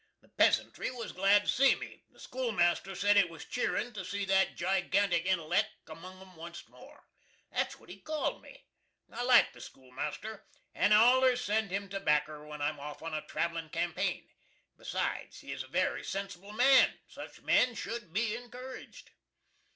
The peasantry was glad to see me. The skoolmaster sed it was cheerin to see that gigantic intelleck among 'em onct more. That's what he called me. I like the skoolmaster, and allers send him tobacker when I'm off on a travelin campane. Besides, he is a very sensible man. Such men must be encouraged.